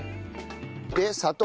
で砂糖。